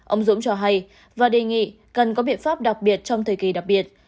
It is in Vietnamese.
ông dũng cho hay và đề nghị cần có biện pháp đặc biệt trong thời kỳ đặc biệt